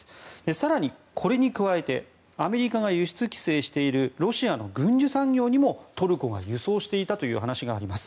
更に、これに加えてアメリカが輸出規制しているロシアの軍需産業にもトルコが輸出していたという話があります。